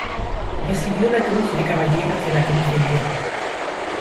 Recibió la Cruz de Caballero de la Cruz de Hierro.